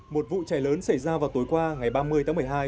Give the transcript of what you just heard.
một vụ cháy lớn xảy ra vào tối qua ngày ba mươi tháng một mươi hai